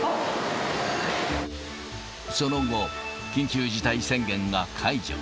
その後、緊急事態宣言が解除。